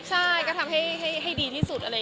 ใช่ก็ทำให้ดีที่สุด